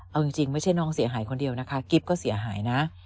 เอาจริงไม่ใช่น้องเสียหายคนเดียวนะคะกิ๊บก็เสียหายนะ